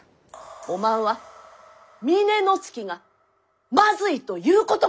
おまんは峰乃月がまずいということか！？